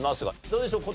どうでしょう？